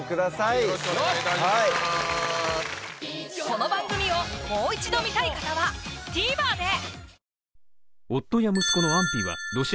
この番組をもう一度観たい方はＴＶｅｒで！